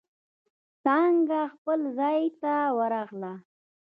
څانگه خپل ځای ته ورغله.